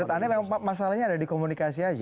jadi menurut anda masalahnya ada di komunikasi aja